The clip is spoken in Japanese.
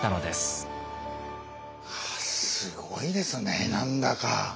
すごいですね何だか。